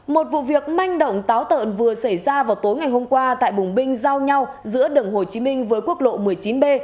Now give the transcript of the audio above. một vụ việc manh động táo tợn vừa xảy ra vào tối ngày hôm qua tại bùng binh giao nhau giữa đường hồ chí minh với quốc lộ một mươi chín b